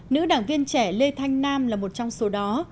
nữ đảng viên trẻ lê thanh nam là một trong số đó